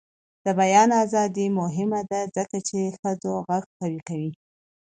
د بیان ازادي مهمه ده ځکه چې ښځو غږ قوي کوي.